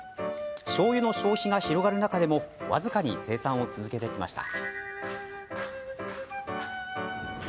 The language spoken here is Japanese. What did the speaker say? しょうゆの消費が広がる中でも僅かに生産を続けてきました。